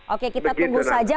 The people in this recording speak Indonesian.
oke kita tunggu saja